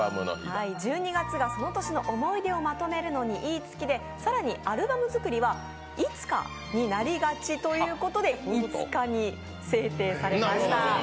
１２月がその年の思い出をまとめるのにいい月で更にアルバム作りはいつかになりがちということで、５日に制定されました。